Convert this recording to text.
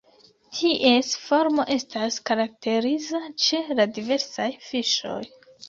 Ties formo estas karakteriza ĉe la diversaj fiŝoj.